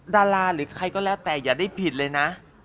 ดาราหรือใครก็แล้วแต่อย่าได้ผิดเลยนะ